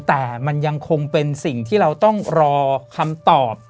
แต่มันยังคงเป็นสิ่งที่เราต้องรอคำตอบ